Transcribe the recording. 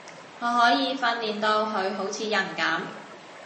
我可以訓練到佢好似人噉